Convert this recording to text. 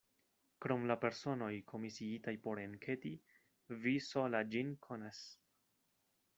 Krom la personoj, komisiitaj por enketi, vi sola ĝin konas.